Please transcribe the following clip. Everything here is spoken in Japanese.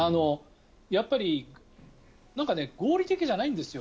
やっぱり合理的じゃないんですよ